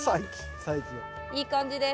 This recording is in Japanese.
いい感じです。